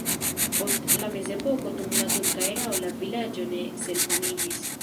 Post la mezepoko dum la turka erao la vilaĝo ne senhomiĝis.